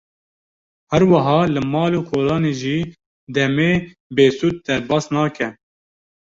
Her wiha li mal û kolanê jî demê bê sûd derbas nake.